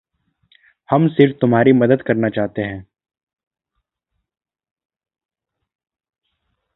हम सिर्फ़ तुम्हारी मदत करना चाहते हैं।